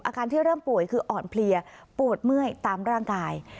อาการที่เริ่มป่วยคืออ่อนเพลียปวดเมื่อยตามร่างกาย